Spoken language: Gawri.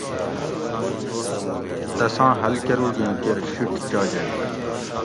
تساں حل کٞروگیں کیر شِٹ چاجینت